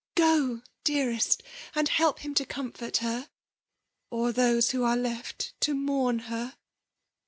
Oo ! dearest^ and help him to comfort her, or those who are left to mourn her."